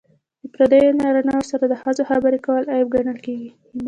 د پردیو نارینه وو سره د ښځو خبرې کول عیب ګڼل کیږي.